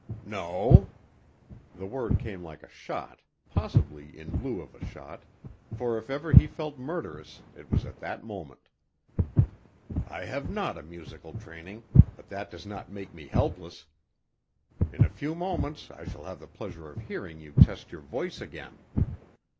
"No." The word came like a shot, possibly in lieu of a shot, for if ever he felt murderous it was at that moment. "I have not a musical training, but that does not make me helpless. In a few moments I shall have the pleasure of hearing you test your voice again.